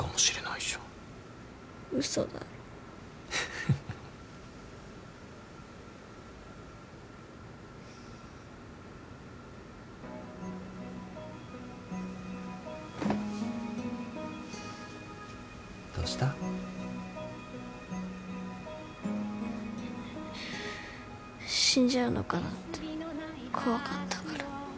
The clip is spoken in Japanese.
死んじゃうのかなって怖かったから。